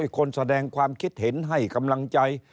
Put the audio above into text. คนแสดงความคิดเห็นให้กำลังใจ